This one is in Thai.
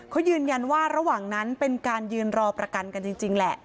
เขายืนยันว่าระหว่างนั้นเป็นการยืนรอประกันกันจริงแหละ